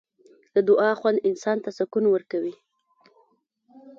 د دعا خوند انسان ته سکون ورکوي.